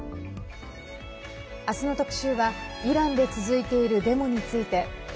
明日の特集はイランで続いているデモについて。